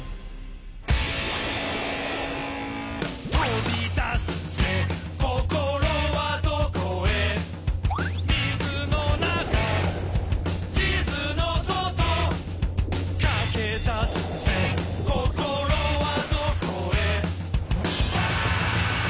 「飛び出すぜ心はどこへ」「水の中地図の外」「駆け出すぜ心はどこへ」